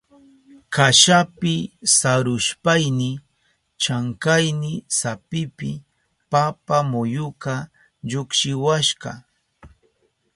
Kashapi sarushpayni chankayni sapipi papa muyuka llukshiwashka.